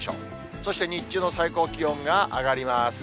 そして、日中の最高気温が上がります。